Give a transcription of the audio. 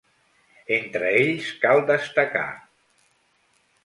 Entre ells cal destacar.